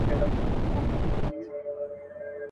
څوك به بولي له آمو تر اباسينه.